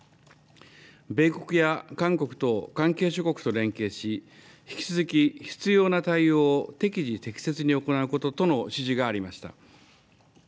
米国や韓国と、関係諸国と連携し、引き続き必要な対応を適時適切に行うこととの指示がありました。